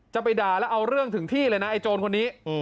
จะไปด่าแล้วเอาเรื่องถึงที่เลยนะไอ้โจรคนนี้